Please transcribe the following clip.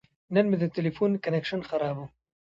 نن مې د تلیفون کنکشن خراب و.